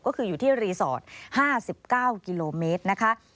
ก็คืออยู่ที่รีสอร์ท๕๙กิโลเมตรนะคะ